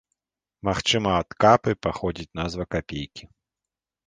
Магчыма ад капы паходзіць назва капейкі.